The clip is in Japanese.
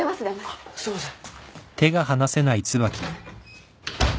あっすいません。